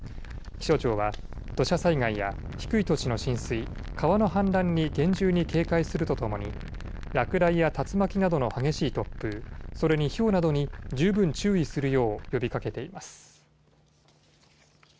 気象庁は土砂災害や低い土地の浸水、川の氾濫に厳重に警戒するとともに落雷や竜巻などの激しい突風、それに、ひょうなどに十分注意するよう呼びかけています。